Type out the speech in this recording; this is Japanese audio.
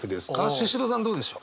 シシドさんどうでしょう？